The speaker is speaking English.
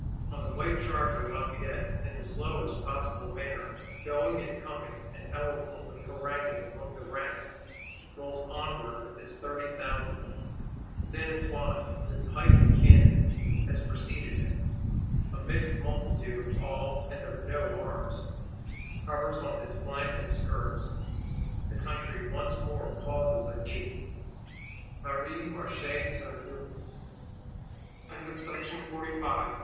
On the white charger, Lafayette, in the slowest possible manner, going and coming, and eloquently haranguing among the ranks, rolls onward with his thirty thousand. Saint Antoine, with pike and cannon, has preceded him; a mixed multitude, of all and of no arms, hovers on his flanks and skirts; the country once more pauses agape: Paris marche sur nous. Chapter 1.7.